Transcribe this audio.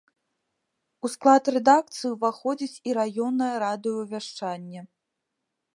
У склад рэдакцыі ўваходзіць і раённае радыёвяшчанне.